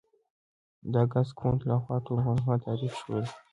د اګوست کُنت لخوا ټولنپوهنه تعریف شوې ده.